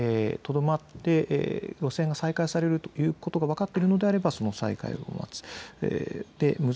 危険を伴いますので路線が再開されるということが分かっているのであればその再開を待つ。